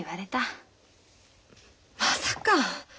まさか。